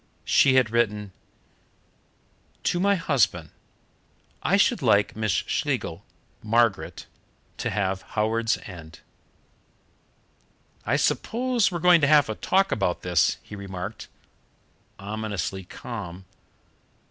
She had written: "To my husband: I should like Miss Schlegel (Margaret) to have Howards End." "I suppose we're going to have a talk about this?" he remarked, ominously calm.